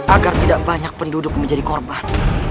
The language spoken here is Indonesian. agar tidak banyak penduduk menjadi korban